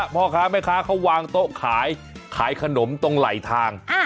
พ่อค้าแม่ค้าเขาวางโต๊ะขายขายขนมตรงไหลทาง